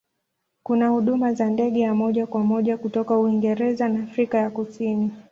Kuna huduma za ndege ya moja kwa moja kutoka Uingereza na Afrika ya Kusini.